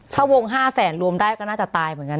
ถ้าวง๕แสนรวมได้ก็น่าจะตายเหมือนกัน